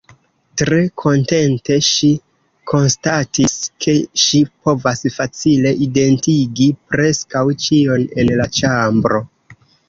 Tre kontente ŝi konstatis ke ŝi povas facile identigi preskaŭ ĉion en la ĉambro.